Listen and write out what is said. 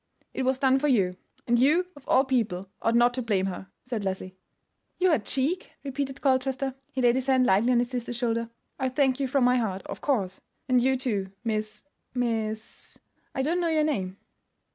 "It was done for you, and you of all people ought not to blame her," said Leslie. "You had cheek," repeated Colchester. He laid his hand lightly on his sister's shoulder. "I thank you from my heart, of course, and you, too, Miss—Miss—I don't know your name."